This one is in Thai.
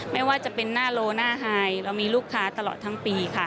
ไม่ว่าจะเป็นหน้าโลหน้าไฮเรามีลูกค้าตลอดทั้งปีค่ะ